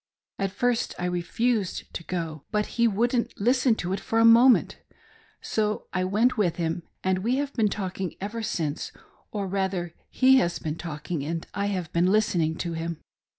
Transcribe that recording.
At first I refused to go, but he wouldn't listen to it for a moment. So I went with him, and we have been talking ever since ; or rather he has been talking, and I have been listening to him.